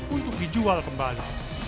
untuk dijual kembali